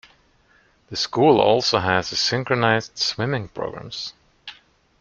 The school also has a synchronized swimming programs.